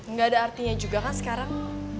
nggak ada artinya juga kan sekarang